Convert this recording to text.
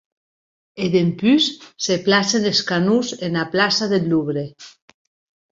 E dempús se placen es canons ena plaça deth Louvre.